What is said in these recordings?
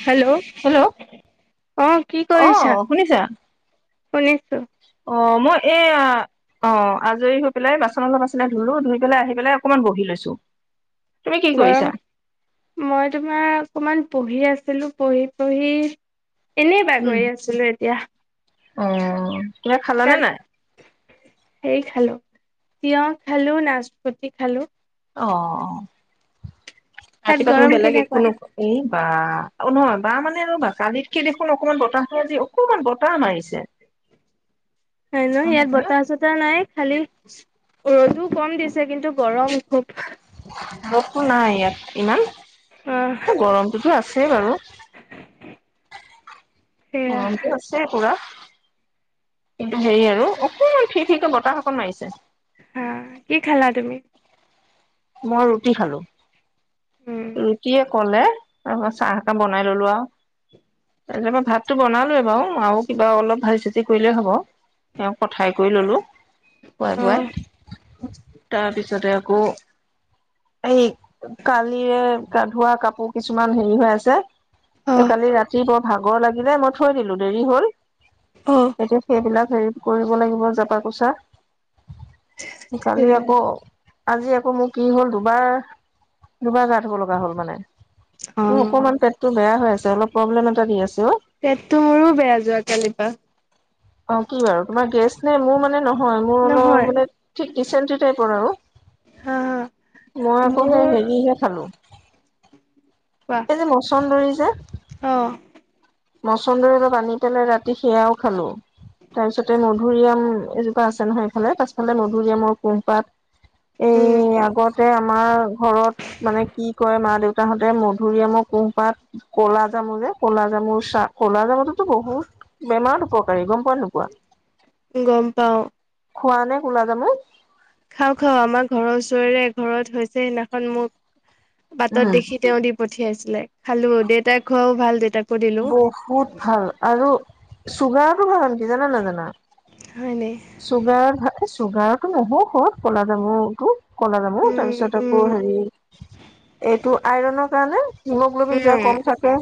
Hello hello অঁহ কি অ কৰিছা? শুনিছা শুনিছোঁ। অ, মই এয়া অ আজৰি হৈ পেলাই বাচন অলপ আছিলে ধুলো, ধুই পেলাই আহি পেলাই অকনমান বহি লৈছো। তুমি কি কৰিছা গৰম মই তোমাৰ অকমান পঢ়ি আছ ছিলো পঢ়ি-পঢ়ি এনেই বাগৰি আছিলো এতিয়া। অ, কিবা খালানে তাত নাই? হেৰি খালো। তিয়হ খালো, নাচপতি খালো। অ', অ। তাত ৰাতিপুৱা তুমি গৰম বেলেগ একো কেনেকুৱা নো- এই বা, ও-নহয় বা মানে ৰবা কালিতকে দেখোন অকমান বতাহটো আজি, অকণমান বতাহ মাৰিছে। হয় ন গম ইয়াত পাইছা নে বতাহ চতাহ নাই খালি ৰ'দো কম দিছে, কিন্তু গৰম খুব। ৰ'দটো নাই ইয়াত ইমান অ গৰমটোতো আছে বাৰু। অ, সেয়া ইটো আছে পুৰা। কিন্তু হেৰি আৰু অকমান ফি ফি কে বতাহ অকন মাৰিছে। হা কি খালা তুমি? মই ৰুটি খালো। উম ৰুটিয়ে কলে তাৰপৰা চাহ একাপ বনাই ললো আও। তেনে মই ভাতটো বনালোৱে বাৰু। আৰু কিবা অলপ ভাজি-চাজি কৰিলেই হ'ব। এও কথাই কৰি ল'লো। পুৱাই - অ পলুৱাই তাৰপিছতে আকৌ এই কালিৰে গা ধুৱোৱা কাপোৰ কিছুমান হেৰি হৈ আছে। অ এই কালি ৰাতি বৰ ভাগৰ লাগিলে মই থৈ দিলো দেৰি হল। অ এতিয়া সেইবিলাক হেৰি কৰিব লাগিব জেপা কোচা। কালি আকৌ আজি আকৌ মোৰ কি হ'ল দুবাৰ দুবাৰ গা ধ'ব লগা হ'ল মানে অ মোৰ অকণমান পেটটো বেয়া হৈ আছে অলপ প্ৰব্লেম এটা দি আছে। অ পেটটো মোৰো বেয়া যোৱা কালিৰ পৰা কি বাৰু তোমাৰ গেষ্ট নাই মোৰ মানে নহয় মোৰ অলপ নহয় মানে ঠিক চেণ্টি টাইপৰ আৰু। হা হা মই আকৌ সেই মোৰ হেৰিহে খালো। এই যে মচন্দৰি যে। অঁ। মচন্দৰে অলপ আনি পেলাই ৰাতি সেয়াও খালো। তাৰপিছতে মধুুৰৰিআম এজোপা আছে নহয় এইফালে পাছফালে মধুৰিআমৰ কোহপাত [unintelligible] তে আমাৰ ঘৰত মানে কি কয় মা দেউতাহঁতে মধুৰিআমৰ কুহপাত কলা জা জামু যে ক'লা জামুৰ চাহ ক'লা জামুতোতো বহুত বেমাৰত উপ কাৰী গম পোৱা নে নোপোৱা গম পাও খোৱা নে কোলা জামো? খাও -খাও আমাৰ ঘৰৰ ওচৰেৰে এঘৰত হৈছে সিদিনাখন মোক উম বাটত দেখি তেওঁ দি পঠিয়াইছিলে খালোঁ দেউতাক খোৱাও ভাল দেউতাক বহুত ভাল আৰু চুগাৰটো ভাল কি জানা নাজানা? হয় নি চুগাৰৰ ভা এ চুগাৰতো নহওঁ হ ক'লা জামুটো কলা জামু উম তাৰপিছত আকৌ উম হেৰি এইটো আইৰনৰ কাৰণে হিমগ্লবিন যা উম কম থাকে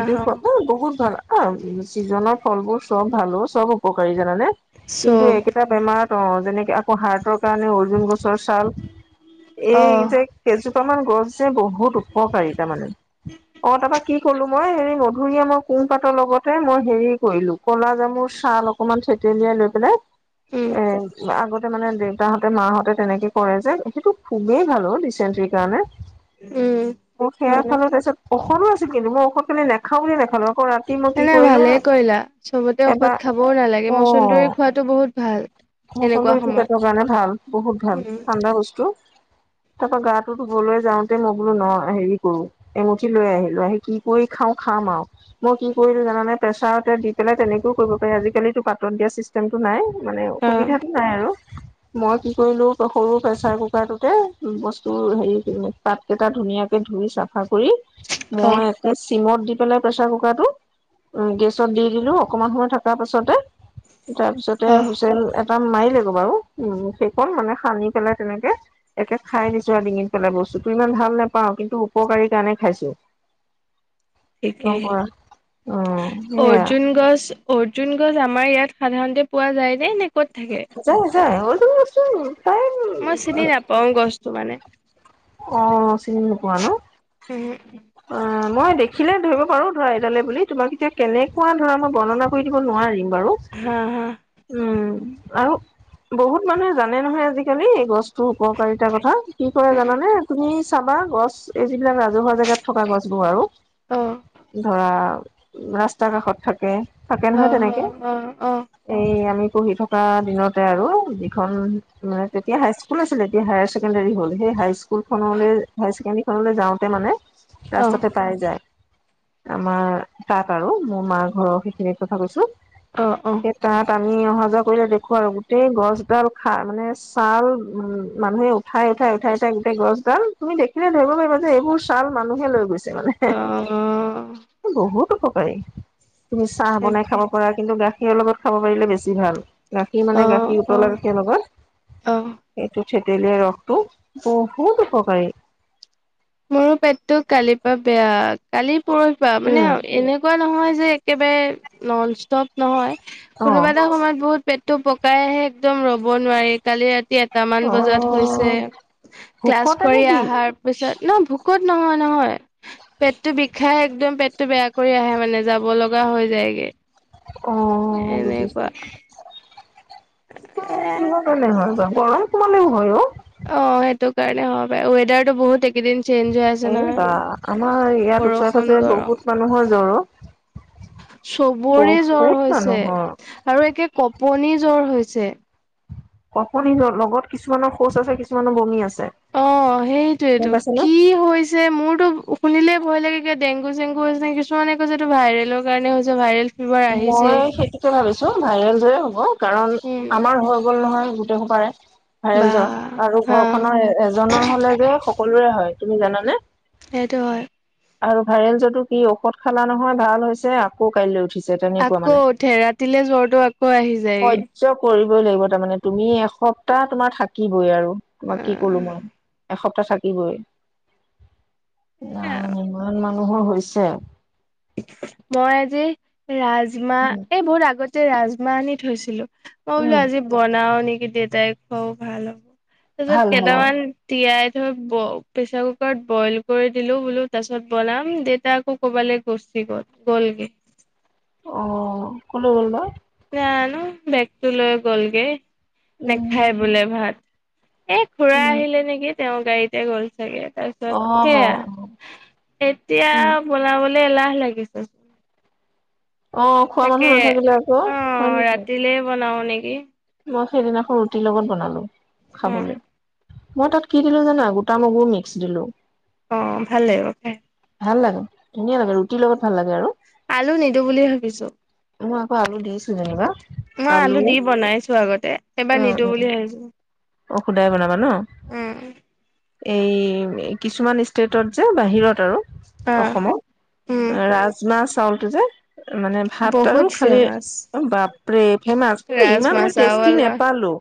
আহ খোৱা [unintelligible] বহুত ভাল [unintelligible] ছিজনত ফলবোৰ চব ভালো চব উপকাৰী জানানে? কিন্তু চব একেটা বেমাৰত অ, যেনেকে আকৌ হাৰ্টৰ কাৰণে অৰ্জুন গছ ছৰ চাল এই আহ যে কেজু [unintelligible] গছ যে বহুত উপকাৰী তাৰ মানে অ, তাৰপা কি কলো মই হেৰি মধুৰি আমৰ কুহ হিপাতৰ লগতে মই হেৰি কৰিলো কলা জামুৰ চাল অকণমান থেতেলিয়াই লৈ পেলাই উম এ আগত তে মানে দেউতাহঁতে মাহঁতে তেনেকে কৰে যে সেইটো খুবেই ভাল অ, ডিচেনট্ৰীৰ কাৰণে। উম অ, সেয়া হয় ন খালো তাৰপিছত ঔষধো আছিল কিন্তু মই ঔষখ খিনি নেখাওঁ বুলি নেখালোঁ আকৌ ৰাতি মই নাই কি নাই কৰিলে ভালেই কৰিলা চবতে ঔষধ এবাৰ খাবও নালাগে অ, মচন্দৰী খোৱাটো বহুত ভাল এনেকুৱা মচন্দৰিটো সময়ত পেটৰ কাৰণে ভাল বহুত ভাল উম ঠাণ্ডা বস্তু। [inaudible] তাৰপা গাটো ধুবলৈ যাওঁতে মই বোলো ন' হেৰি কৰো এমুঠি লৈ আহিলোঁ আহি কি কৰি খাওঁ খা মই কি কৰিলো জানে প্ৰেছাৰতে দি পেলাই তেনেকেও কৰিব পাৰি, আজিকালিতো পাতত দিয়া চিষ্টেমটো নাই। মানে সুবিধাটো নাই আৰু। মই কি কৰিলো সৰু প্ৰেচাৰ কুকাৰটোতে বস্তু হেৰি কৰিব পাতকেইটা ধো ধুনিয়াকে ধুই চাফা কৰি অ অ মই একেছ চিমত দি পেলাই প্ৰেছাৰ কুকাৰটো গেছত দি দিলো অকমান সময় থকাৰ পাছতে তাৰ পিছতে অ হুছেন এটা মাৰি লাগিব বাৰু উ সেইখন মানে সানি পেলাই তেনেকে একে খাই দিছো আৰু ডিঙিত পেলাই ব বস্তুটো ইমান ভাল নেপাওঁ কিন্তু উপকাৰী কাৰণে খাইছো। [inaudible] ঠিকে গম পোৱা অ সেয়া অৰ্জুন গছ অৰ্জুন গছ আমাৰ ইয়াত সাধাৰণতে পোৱা যায় যে এনে যায় যায় অলো আছো মই চিনি নাপাও গছটো মানে অ চিনি নোপোৱা ন অ মই দেখিলে ধৰিব পাৰো ধৰা এডালে বুলি তোমাক এতিয়া কেনেকুৱা ধৰা মই বৰ্ণনা কৰি দিব নোৱাৰিম। বাৰু হা -হা উম আৰু বহুত মানুহে জানে নহয় আজিকালি এই গছ উপকাৰিতা কথা কি কৰে জানানে তুমি চাবা। গছ, এই যিবিলাক ৰাজহুৱা জেগাত থকা গছ বোৰ আৰু। অ ধৰা ৰাস্তাৰ কাষত থাকে। থাকে অ নহয় - অ তেনেকে -অ -অ এই আমি পঢ়ি থকা দিনতে আৰু যিখন মানে তেতিয়া হাইস্কুল আছিলে এতিয়া হায়াৰ ছেকেণ্ডাৰী। হ সেই হাই স্কুলখনলৈ হাই ছেকেণ্ডৰীখনলৈ যাওঁতে মানে অ ৰাস্তাতে পাই যায় আমাৰ তাত আৰু মোৰ মা ঘৰৰ সেইখিনিৰ কথা কৈছো। অ- অ সেই তাত আমি অহা যোৱা কৰিলে দেখো আৰু গোটেই গছডাল খাই মানে ছাল উ মানুহে উঠাই-উঠাই-উঠাই-উঠাই গোটেই গছডাল, তুমি দেখিলে ধৰিব পাৰিব যে এইবোৰ ছাল মানুহে লৈ গৈছে। মানে বহুতো উপ উপকাৰী তুমি চাহ বনাই তাকে খাব পাৰা কিন্তু গাখীৰৰ লগত খাব পাৰিলে বেছি ভাল। গাখীৰ অ মানে গাখীৰ অ উতলা গাখীৰ লগত অ সেইটো থেতেলিয়াই ৰসটো বহুত উপকাৰী মোৰো পেটটো কালিৰ পৰা বেয়া কালি পৰহি বা মানে উম এনেকুৱা নহয় একেবাৰে নন ষ্টপ নহয় অ কোনোবা এটা সময়ত বহুত। টো পকাইহে একদম ৰ'ব নোৱাৰি কালি এটামান অ বজাত হৈছে ক্লাছ ভোকতে কৰি নেকি অহাৰ পিছত ন ভোকত। নহয়-নহয় পেটটো বিষাই। একদম পেটটো বেয়া কৰি আহে মানে, যাব লগা হৈ যায়গে। অ', বুজিছো। এনেকুৱা [unintelligible] এ কিহৰ কাৰণে হয় বাউ? গৰম কোমালেও হয় অ। অ 'সেইটো কাৰণে হ বাৰু ৱেডাৰটো বহুত কেইদিন চেইঞ্জ হৈ আছে না এই বা আমাৰ ইয়াত ওচৰে বৰষুণ পাজৰে বহুত গৰম মানুহৰ জৰ অ চবৰে জ্বৰ বহুত হৈছে মানুহৰ আৰু একে কপনি জ্বৰ হৈছে ছে। আপুনি লগত কিছুমানৰ শৌচ আছে কিছুমানৰ বমি আছে অ', গম সেইটোৱেইটো। পাইছানে কি হৈছে, মোৰতো শুনিলেই ভয় লাগে-গে ডেংগু-চেংগু হৈছে নে। কিছুমানে কৈছে এইটো ভাইৰেলৰ কাৰণে হৈছে ভাইৰেল ফিভাৰ আহিছেই মই সেইটোকে ভাবিছো ভাইৰেল জৰে হ'ব। কাৰণ উম আমাৰ হৈ গ'ল নহয় গোট পাৰে ভাইৰেল বা জ্বৰ আৰু ঘৰ হা খনৰ এজনৰ হলে যে সকলোৰে হয়, তুমি জানানে? সেইটো হয়। আৰু ভাইৰেল যতটো কি ঔষধ খালা নহয় ভাল হৈছে আকৌ কাইলৈ উঠিছে তেনেুৱোৱা আকৌ মানে উঠে ৰাতিলে জ্বৰটো আকৌ আহি যায়গে। সহ্য কৰিব ল তাৰমানে তুমি এসপ্তাহ তোমাৰ থাকিবই আৰু তোমাক কি কলো মই এসপ্তাহ থাকিবই ন ইমান মান মানুহৰ হৈছে মই আজি উম, ৰাজমাহ এই বহুত আগতে ৰাজমাহ আনি থৈছিলো মই বোলো উম, আজি বনাও নেকি, দেউতাই খুৱাও ভাল তাৰ পিছত ভাল ভাল অ'। কেইটামান তিয়াই তত ব প্ৰেচাৰ কুকাৰত বইল কৰি দিলোঁ বোলো তাৰপিছত বনাম দেউতাক আকৌ ক'ৰবালৈ গুচি গ'ল, গ'লগে। অ' কোনে হল ন জানো বেগটো লৈ গ'লগে। উম, নেখায় বোলে ভাত। এ, খুৰা উম। আহিলে নেকি তেওঁৰ গাড়ীতে গ'ল চাগে তাৰপিছত অ'। সেয়া। এতিয়া উম। বনাবলে এলাহ লাগিছে। অ', খোৱা মানুহ তাকে নাথাকিলে আকৌ অ হয় নে নহয়? ৰাতিলে বনাও নেকি মই সেইদিনাখন ৰুটিৰ লগত বনালো অ খাবলৈ। মই তাত কি দিলো জানা গোটা মগু মিক্স দিলো। অ ভাল লাগিব খায়। ভাল লাগে ধুনীয়া লাগে ৰুটিৰ লগত ভাল লাগে আৰু। আলু নিদো বুলি ভাবিছো। মই আকৌ আলু দিছোঁ যেনিবা। মই আলু দি বনাইছো আগতে এবাৰ উম, নিদো উম। বুলি ভাবিছো। অ খুধাই বনাবা ন? উম এই কিছুমান ষ্টেটত যে বাহিৰত আৰু। অ উম অসমৰ ৰাজমা চাউলটো যে মানে ভাত তাৰো বহুত খালি ফেমাচ বাপৰে ফেমাচ কিন্তু ৰাজমা ইমান মই টেষ্টি চাৱল নোপালো।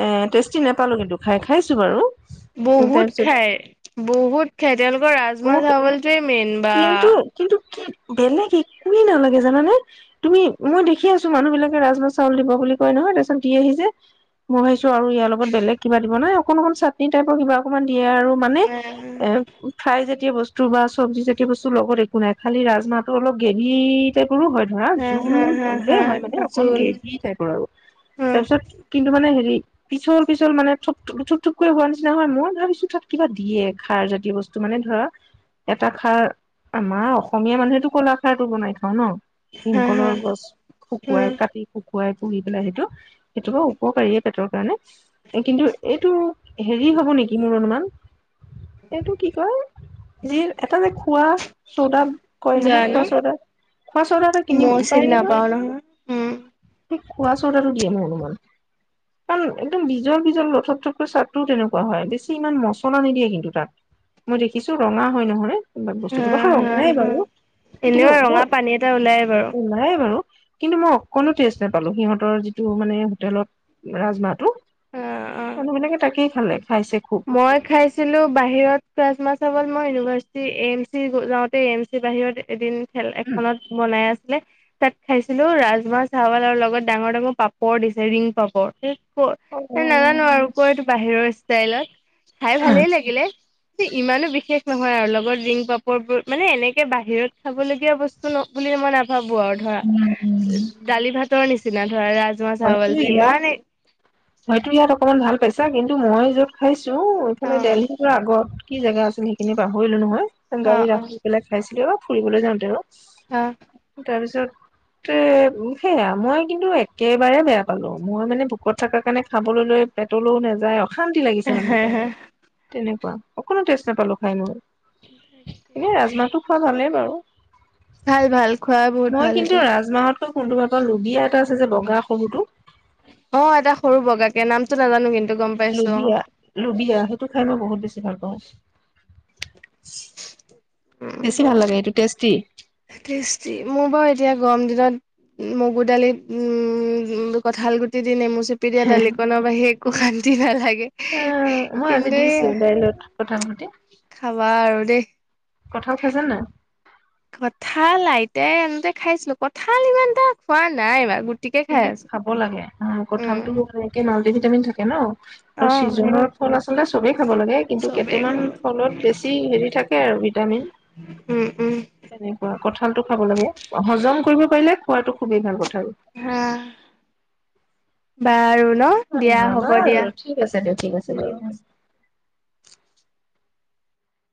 এ টেষ্টি নাপালো কিন্তু খায়, খাইছো বাৰু। বহুত তাৰপিছত খায়, বহুত খায় তেওঁলোকৰ ৰাজমাহ বহুত চবলটোয়ে মেইন। বা কিন্তু কিন্তু কি বেলেগ একোৱে নালাগে জাননে তুমি মই দেখি আছো মানুহ বিলাকে ৰাজমা চাউল দিব বুলি বুলি কয় নহয় তাৰপিছত দিয়েহি যে। মই ভাবিছো আৰু ইয়াৰ লগত বেলেগ কিবা দিব নাই অকণ অকণ চাটনি টাইপৰ কিবা অকণমান দিয়ে আৰু মানে এ ফ্ৰাই জাতীয় বস্তু বা চব্জি জা সেইবস্তু লগত একো নাই, খালি ৰাজমাহটো অলপ গেভী টাইপ সৰু হয়, ধৰা হা জোল, হা হা জোলেই হা হয়, মানে অকন জোল গ্ৰেভি টাইপৰ আৰু। হা তাৰপিছত কিন্তু মানে হেৰি পিছল - পিছল মানে ঠপ থুপ-থুপ থুপকৈ হোৱা নিচিনা হয় মই ভাবিছো তাত কিবা দিয়ে খাৰ জাতীয় বস্তু। বস্তু মানে ধৰা এটা খাৰ আমাৰ অসমীয়া মানুহেতো কলাখাৰটো বনাই খাওঁ ন। হা হা ভীমকলৰ গছ শুকুৱাই উম কাটি শু খুৱাই পুহ পেলাই সেইটো সেইটো ব উপকাৰীয়ে পেটৰ কাৰণে কিন্তু এইটো হেৰি হ'ব নেকি মোৰ অনুমান এইটো কি কয় যি এটা যে খোৱা চৌদা কয় নহয় খোৱা জানো চৌদা - খোৱা চৌদা এটা কিনি মই পায় চিনি নহয়। নাপাও উম হেই খোৱা চডাটো দীয়ে মোৰ অনুমান। কাৰণ একদম বিজল, বিজল লুথোপথোপৈ চাদটোও তেনেকুৱা হয়, বেছি ইমান মছলা নিদিয়ে কিন্তু তাত। মই দেখিছোঁ ৰঙা হয়, [unintelligible] হা তুপাষা হা ওলাই হা বাৰু কিন্তু এনেও ৰঙা পানী এটা ওলাই বাৰু ওলাই বাৰু। কিন্তু মই অকণো টেষ্ট নাপালোঁ, সিহঁতৰ যিটো মানে হোটেলত ৰাজমাহটো। অ অ মানুহবিলাকে তাকেই খালে। খাইছে খুব মই খাইছিলো বাহিৰত ৰাজমা চাওল মই ইউনিভাৰ্চিটি এম চি যাওঁতে এম চি বাহিৰত এদিন খেল উম এখনত বনাই আছ তাত খাইছিলো ৰাজমাহ চউল আৰু লগত ডাঙৰ - ডাঙৰ পাপৰ দিছে ৰিং পাপৰ। ক নাজানো আৰু ক এইটো বাহিৰৰ ষ্টাইলত খাই ভালেই লাগিলে। ইমানো বিশেষ নহয় আৰু লগত ৰিংক পাপৰবোৰ মানে এনেকে বাহিৰত খাবলগীয়া বস্তু ন বুলি ম ভাবো আৰু ধৰা উম উম দালি ভাতৰ নিচিনা। ধৰা ৰাজমাহ হয়তো চাৱলটো ইয়াত, ইমান হয়তো ইয়াত অকমান ভাল পাইছ আচ্ছা কিন্তু মই য'ত খাইছো অ এইফালে দেলহিৰ পৰা আগত কি জেগা আছিল সেইখিনি পাহৰিলো নহয় অ গাড়ী অ ৰাখি পেলাই খাইছিলোঁ বা ফুৰিবলৈ যাওঁতে আৰু অ তাৰপিছত সেয়া মই কিন্তু একেবাৰে বেয়া পালো মই মানে ভোকত থকাৰ কাৰণে খাবলৈ লৈ পেটলৈও নাযায় শান্তি লাগিছে মানে তেনেকুৱা অকণো টেষ্ট নাপালো খাই মই। এনে ৰাজমাহটো খোৱা ভালেই বাৰু। ভাল ভাল খোৱা বহুত মই ভাল কিন্তু সেইটো ৰাজমাহতকৈ কোনটো ভাল পা লুবিয়া এটা আছে যে গা সৰুতো অ 'এটা সৰু বগাাকে নামটো নাজানো কিন্তু গম পাইছো অ লুবিয়া-লুবিয়া সেইটো খাই মই বহুত বেছি ভাল পাওঁ। উম বেছি ভাল লাগে এইটো টেষ্টি টেষ্টি মোৰ বাৰু এতিয়া গৰম দিনত মগু দালিত উম, কঠাল গুটি দি নেমুচ চুপি দিয়া হে দালিকনৰ বাহিৰে একো শান্তি নালাগে আহ, কিন্তু মতি [unintelligible] চোৱা আৰু দেই কঠও খাইছে ন কঁঠাল আইতাই আনোতে খাইছিলো কঠাল ইমান এটা খোৱা নাই বাৰু কিন্তু খাব লাগে উম কঠালতো এনেকে মাল্টি ভিটামিন থাকে ন। অ আৰু চিজনৰ সেইটোৱে ফল আচলতে চবেই খাব লাগে কিন্তু চবেই কেইটামান খাব। ফলত বেছি হেৰি থাকে আৰু। বিটামিন উম উম তেনেকুৱা কঠালটো খাব লাগে হজম কৰিব পাৰিলে খোৱাটো খুবেই ভাল কথা আৰু। অ বাৰু। ন অ দিয়া হ'ব বাৰু দিয়া ঠিক আছে দিয়ক ঠিক আছে বাৰু।